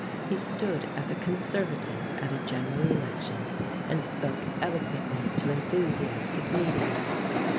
He stood as a Conservative at a General Election and spoke eloquently to enthusiastic meetings.